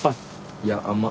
いやあんま。